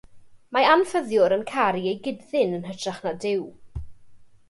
Mae anffyddiwr yn caru ei gyd-ddyn yn hytrach na duw.